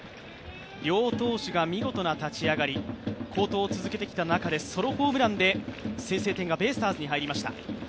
両投手が見事な立ち上がり、好投を続けてきた中でソロホームランで先制点がベイスターズに入りました。